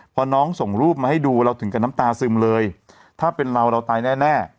พอน้องส่งรูปมาให้ดูเราถึงกับน้ำตาซึมเลยถ้าเป็นเราเราตายแน่